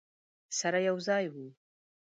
سره یو ځای وو.